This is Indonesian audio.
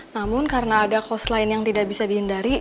namun karena ada cost lain yang tidak bisa dihindari